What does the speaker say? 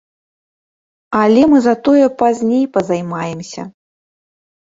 Але мы затое пазней пазаймаемся.